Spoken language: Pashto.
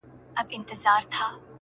د پردیو په کمال ګوري جهان ته -